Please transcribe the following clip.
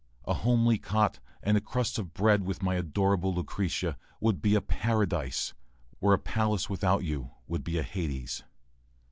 A homely cot and a crust of bread with my adorable Lucretia would be a paradise, where a palace without you would be a hades.